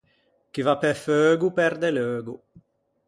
Chi va pe feugo perde leugo.